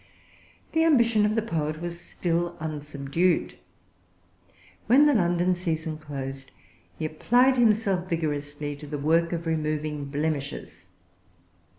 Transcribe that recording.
The ambition of the poet was still unsubdued. When the London season closed, he applied himself vigorously to the work of removing blemishes.